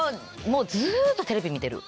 もうずっとテレビ見てる。